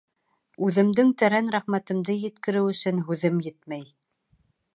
Үҙемдең тәрән рәхмәтемде еткереү өсөн һүҙем етмәй